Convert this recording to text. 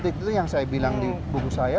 itu yang saya bilang di buku saya